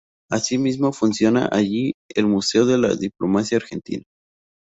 Asimismo funciona allí el Museo de la Diplomacia Argentina.